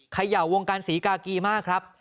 เขย่าวงการศรีกากีมากครับ